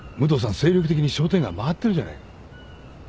精力的に商店街回ってるじゃないか。